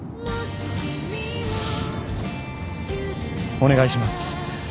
お願いします。